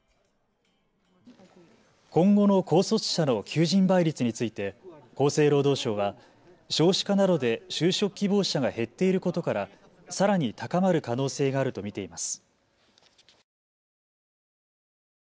今後の高卒者の求人倍率について厚生労働省は少子化などで就職希望者が減っていることからさらに高まる可能性があると見ています。